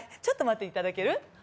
ちょっと待っていただける？